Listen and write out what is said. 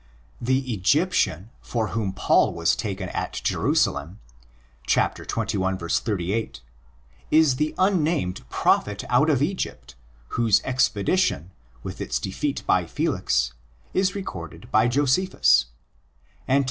The " Egyptian" for whom Paul was taken at Jerusalem (xxi. 88) is the unnamed 'prophet out of Egypt"? whose expedition, with its defeat by Felix, is recorded by Josephus (Ant.